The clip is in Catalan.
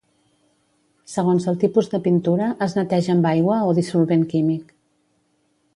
Segons el tipus de pintura, es neteja amb aigua o dissolvent químic.